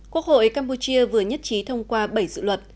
quốc hội campuchia vừa nhất trí thông qua bảy dự luật